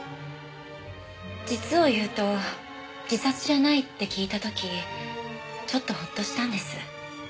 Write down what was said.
実を言うと自殺じゃないって聞いた時ちょっとホッとしたんです。